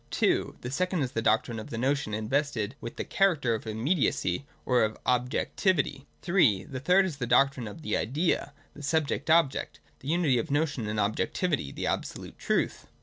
(2) The second is the doctrine of the notion invested with the cliaracter of imniedi.u v, or K>{ Objootivity. (,3") The thiitl is the doctrine o^ the Idea, the subject ohject, the unity ol" notion and ob jectivity, the absohite truth.